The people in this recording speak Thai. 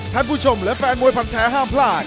ท่านผู้ชมและแฟนมวยพันธ์แท้ห้ามพลาด